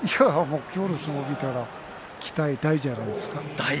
今日の相撲を見たら期待大じゃないですか？